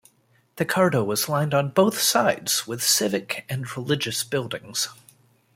The cardo was lined on both sides with civic and religious buildings.